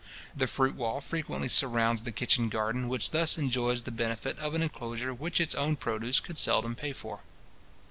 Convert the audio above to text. The fruit wall frequently surrounds the kitchen garden, which thus enjoys the benefit of an inclosure which its own produce could seldom pay for.